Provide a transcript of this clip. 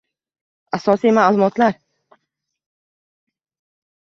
Asosiy ma’lumotlar